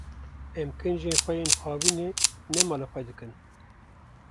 Em kincên xwe yên havînê nema li xwe dikin.